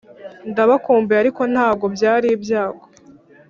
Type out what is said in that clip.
ndabakumbuye, ariko ntabwo byari ibyago.